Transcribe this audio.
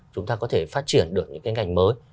chúng ta có thể phát triển được những cái ngành mới